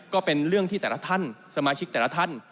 ก็เป็นเรื่องที่สมาชิกแต่ละท่าน